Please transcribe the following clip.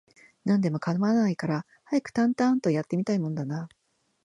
何でも構わないから、早くタンタアーンと、やって見たいもんだなあ